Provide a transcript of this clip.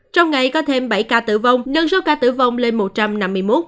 trong ngày có thêm bảy ca tử vong nâng số ca tử vong lên một trăm năm mươi một ca